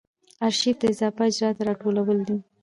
آرشیف د اضافه اجرااتو راټولول دي.